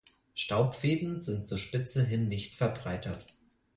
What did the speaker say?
Die Staubfäden sind zur Spitze hin nicht verbreitert.